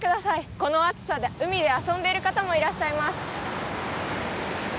この暑さで海で遊んでいる方もいらっしゃいます。